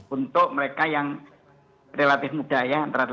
untuk mereka yang relatif muda ya